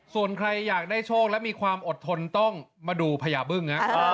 ส่วนใครอยากได้โชคและมีความอดทนต้องมาดูพญาบึ้ง